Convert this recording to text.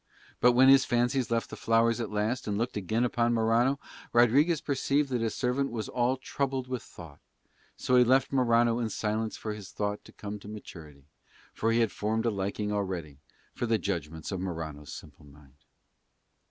But when his fancies left the flowers at last and looked again at Morano, Rodriguez perceived that his servant was all troubled with thought: so he left Morano in silence for his thought to come to maturity, for he had formed a liking already for the judgments of Morano's simple mind.